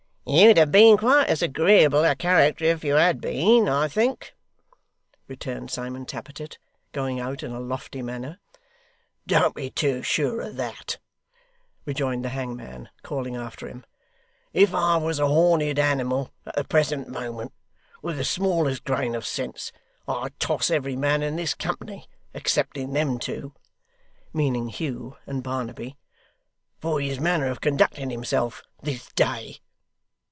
'You'd have been quite as agreeable a character if you had been, I think,' returned Simon Tappertit, going out in a lofty manner. 'Don't be too sure of that,' rejoined the hangman, calling after him; 'if I was a horned animal at the present moment, with the smallest grain of sense, I'd toss every man in this company, excepting them two,' meaning Hugh and Barnaby, 'for his manner of conducting himself this day.